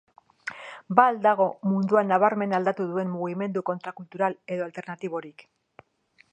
Ba al dago mundua nabarmen aldatu duen mugimendu kontrakultural edo alternatiborik?